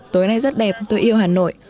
tối nay rất đẹp tôi yêu hà nội